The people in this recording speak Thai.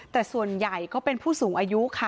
แต่ส่วนใหญ่ก็เป็นผู้สูงอายุค่ะ